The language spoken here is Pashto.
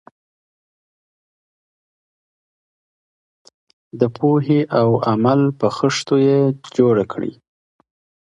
د پوهې او عمل په خښتو یې جوړه کړئ.